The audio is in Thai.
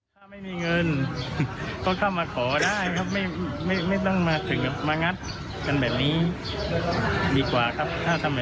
การดีหรือว่าเข้ามาได้มาคุยได้มาขอได้ครับ